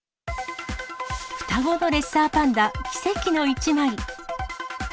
双子のレッサーパンダ、奇跡の１枚。